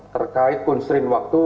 terkait konstrin waktu